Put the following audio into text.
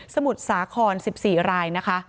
มุทรสาคร๑๔รายนะคะ